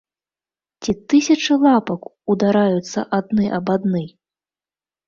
Ці тысячы лапак удараюцца адны аб адны?